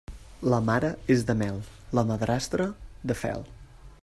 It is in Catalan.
La mare és de mel, la madrastra, de fel.